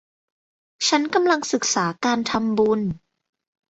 ฉันกำลังศึกษาการทำบุญ